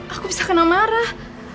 aku bisa kena marah